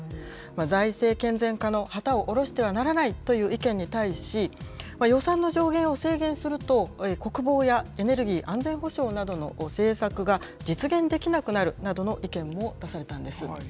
財政健全化の旗を降ろしてはならないという意見に対し、予算の上限を制限すると、国防やエネルギー安全保障などの政策が実現できなくなるなどの意見も出されたんです。